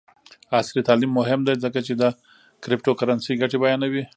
عصري تعلیم مهم دی ځکه چې د کریپټو کرنسي ګټې بیانوي.